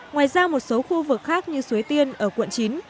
ngoài ra một số khu vực khác như suối tiên ở quận chín